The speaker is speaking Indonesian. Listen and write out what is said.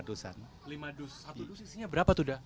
lima dusan satu dusan berapa tuh da